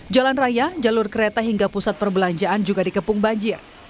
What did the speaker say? jalan raya jalur kereta hingga pusat perbelanjaan juga dikepung banjir